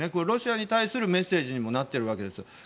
ロシアに対するメッセージにもなっているわけです。